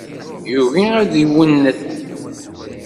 Yugi ad d-iwennet.